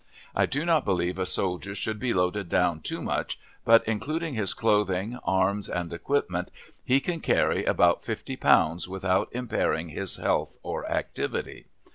I do not believe a soldier should be loaded down too much, but, including his clothing, arms, and equipment, he can carry about fifty pounds without impairing his health or activity.